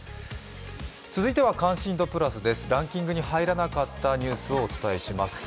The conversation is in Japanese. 続いては「関心度プラス」です、ランキングに入らなかったニュースをお伝えします。